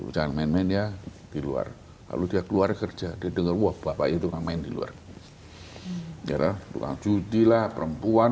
jangan main main ya di luar lalu dia keluar kerja dan denger wabah itu main di luar jadilah perempuan